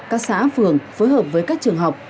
các xã phường phối hợp với các trường học